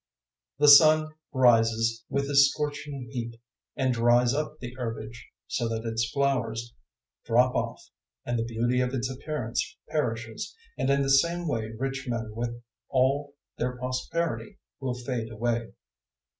001:011 The sun rises with his scorching heat and dries up the herbage, so that its flowers drop off and the beauty of its appearance perishes, and in the same way rich men with all their prosperity will fade away.